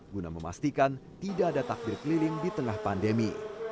guna memastikan tidak ada takbir keliling di tengah pandemi